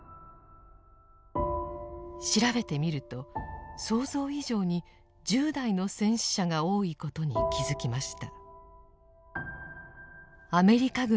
調べてみると想像以上に１０代の戦死者が多いことに気付きました。